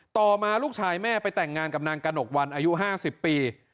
ต่อมาลูกชายแม่ไปแต่งงานกับนางกระหนกวันอายุ๕๐ปี